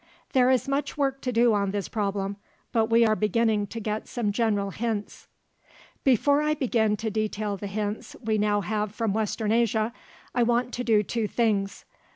There is much work to do on this problem, but we are beginning to get some general hints. Before I begin to detail the hints we now have from western Asia, I want to do two things.